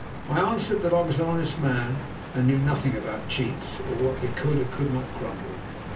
I answered that I was an honest man, and knew nothing about cheats, or at what they could or could not grumble.